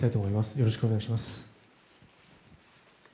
よろしくお願いします。